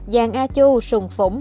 giang a chu sùng phủng